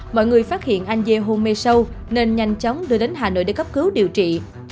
mọi người phát hiện anh dê hôn mê sâu nên nhanh chóng đưa đến hà nội để cấp cứu điều trị